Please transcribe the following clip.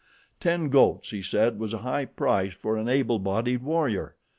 Ten goats, he said, was a high price for an able bodied warrior.